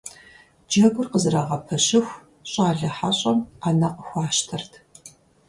Джэгур къызэрагъэпэщыху, щӀалэ хьэщӀэм Ӏэнэ къыхуащтэрт.